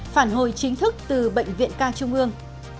phản hồi chính thức từ bệnh viện ca trung ương